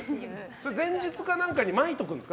前日にまいとくんですか？